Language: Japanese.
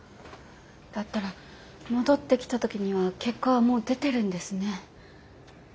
だったら戻ってきた時には結果はもう出てるんですね。